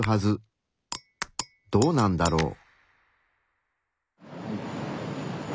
どうなんだろう？